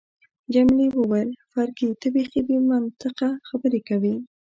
جميلې وويل: فرګي، ته بیخي بې منطقه خبرې کوي.